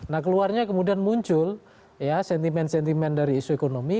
nah keluarnya kemudian muncul ya sentimen sentimen dari isu ekonomi